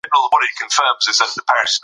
موږ باید د انټرنيټ منفي اغېزو ته پام وکړو.